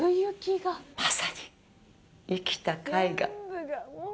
まさに生きた絵画。